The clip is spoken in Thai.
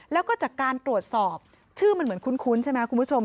แล้วก็จากการตรวจสอบชื่อมันเหมือนคุ้นใช่ไหมคุณผู้ชม